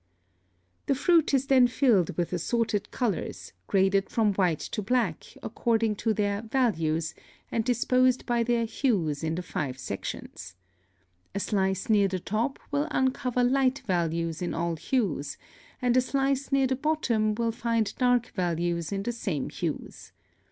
] (10) The fruit is then filled with assorted colors, graded from white to black, according to their VALUES, and disposed by their HUES in the five sections. A slice near the top will uncover light values in all hues, and a slice near the bottom will find dark values in the same hues.